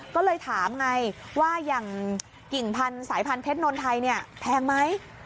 ก็เลยถามไงว่าอย่างกิ่งพันธุ์สายพันธุเพชรนนไทยเนี่ยแพงไหม